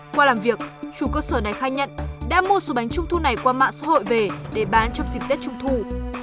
qua làm việc chủ cơ sở này khai nhận đã mua số bánh trung thu này qua mạng xã hội về để bán trong dịp tết trung thu